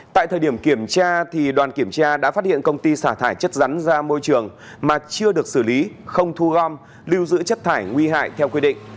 tại thời điểm kiểm tra đoàn kiểm tra đã phát hiện công ty xả thải chất rắn ra môi trường mà chưa được xử lý không thu gom lưu giữ chất thải nguy hại theo quy định